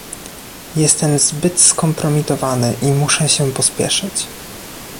"Jestem zbyt skompromitowany i muszę się pospieszyć."